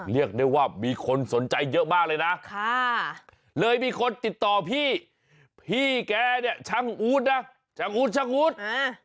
เรียกได้ว่ามีคนสนใจเยอะมากเลยนะค่ะเลยมีคนติดต่อพี่พี่แกเนี่ยช่างอู๊ดนะช่างอู๊ดช่างอู๊ดอ่า